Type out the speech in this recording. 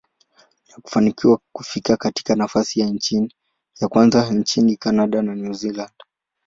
na kufanikiwa kufika katika nafasi ya kwanza nchini Canada na New Zealand.